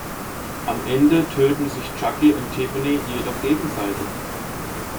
Am Ende töten sich Chucky und Tiffany jedoch gegenseitig.